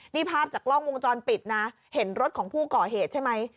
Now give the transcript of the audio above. นี่ภาพจากกล้องวงจรปิดนะเห็นรถของผู้ก่อเหตุใช่ไหม